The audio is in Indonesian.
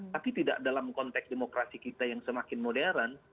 tapi tidak dalam konteks demokrasi kita yang semakin modern